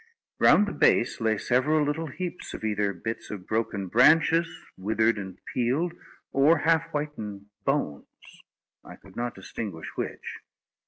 Round the base lay several little heaps of either bits of broken branches, withered and peeled, or half whitened bones; I could not distinguish which.